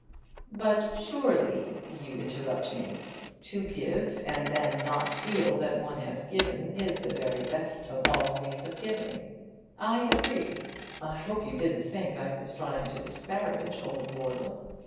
'But surely,' you interrupt me, 'to give and then not feel that one has given is the very best of all ways of giving.' I agree. I hope you didn't think I was trying to disparage Old Wardle.